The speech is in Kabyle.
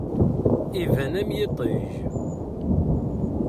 Iban am yiṭij.